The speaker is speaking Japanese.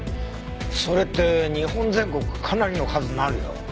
それって日本全国かなりの数になるよ。